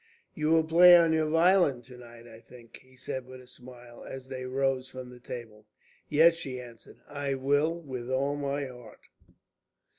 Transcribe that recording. "You will play on your violin to night, I think," he said with a smile, as they rose from the table. "Yes," she answered, "I will with all my heart."